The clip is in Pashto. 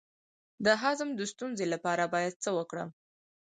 د هضم د ستونزې لپاره باید څه وکړم؟